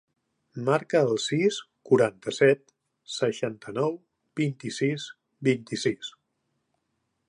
Marca el sis, quaranta-set, seixanta-nou, vint-i-sis, vint-i-sis.